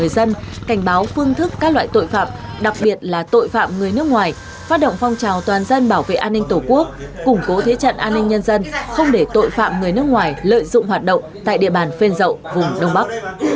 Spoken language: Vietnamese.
đối tượng người nước ngoài hoạt động phạm tội và vi phạm pháp luật